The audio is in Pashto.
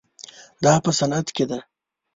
دا په صنعت کې ده.